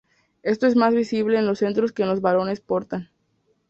Esto es más visible en los cetros que los varones portan.